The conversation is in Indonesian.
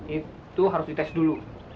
itu harus dites dulu